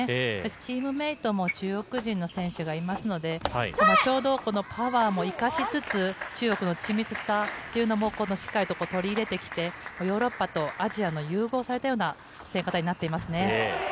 チームメートも中国人の選手がいますので、ちょうどパワーも生かしつつ、中国の緻密さというのもしっかりと取り入れてきて、ヨーロッパとアジアの融合されたような戦型になってますね。